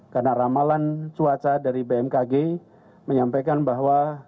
karena ramalan cuaca dari bmkg menyampaikan bahwa